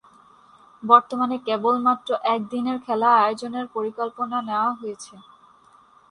বর্তমানে কেবলমাত্র একদিনের খেলা আয়োজনের পরিকল্পনা নেয়া হয়েছে।